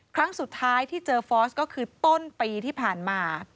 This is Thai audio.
ครั้งสุดท้ายที่เจอฟอสก็คือต้นปีที่ผ่านมา